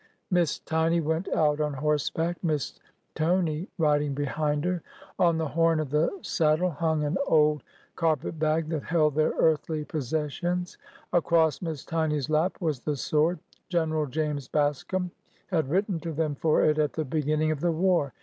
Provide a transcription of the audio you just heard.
Miss Tiny went out on horseback. Miss Tony riding behind her. On the horn of the saddle hung an old car pet bag that held their earthly possessions. Across Miss Tiny's lap was the sword. General James Bascom had written to them for it at the beginning of the war.